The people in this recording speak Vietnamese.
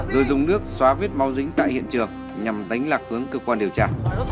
rồi dùng nước xóa vết máu dính tại hiện trường nhằm đánh lạc hướng cơ quan điều tra